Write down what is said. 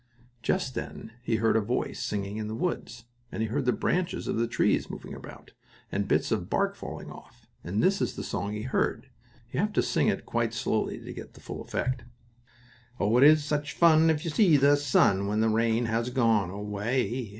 Just then he heard a voice singing in the woods, and he heard the branches of the trees moving about, and bits of bark falling off. And this is the song he heard: you have to sing it quite slowly to get the full effect: "Oh! it is such fun if you see the sun When the rain has gone away.